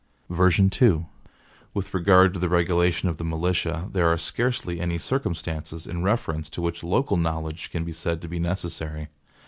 (E1) (With regard to the regulation of the militia, there are scarcely any circumstances in reference to which local knowledge can be said to be necessary.